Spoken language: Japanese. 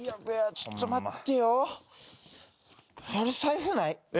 ちょっと待って。